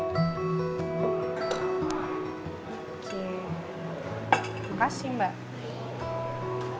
terima kasih mbak